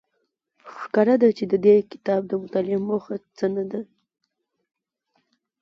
ښکاره ده چې د دې کتاب د مطالعې موخه څه ده